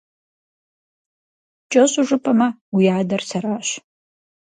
КӀэщӀу жыпӀэмэ, уи адэр сэращ…